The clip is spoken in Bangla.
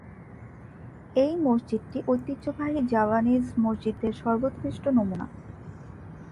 এই মসজিদটি ঐতিহ্যবাহী জাভানিজ মসজিদের সর্বোৎকৃষ্ট নমুনা।